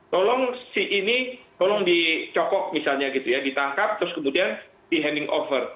tolong si ini tolong dicokok misalnya gitu ya ditangkap terus kemudian di handling over